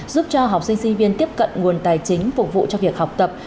giúp cho học sinh sinh viên tiếp cận nguồn tài chính phục vụ cho việc học tập